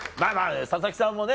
佐々木さんもね